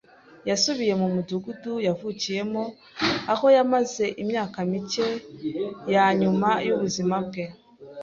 Yasubiye mu mudugudu yavukiyemo, aho yamaze imyaka mike ya nyuma y'ubuzima bwe.